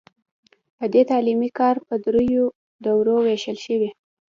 په دې کې تعلیمي کار په دریو دورو ویشل شوی.